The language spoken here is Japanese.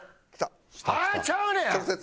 「はあ！？」ちゃうねん！